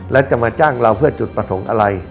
และจะมาจ้างเราเพื่อจุดประสงค์อะไร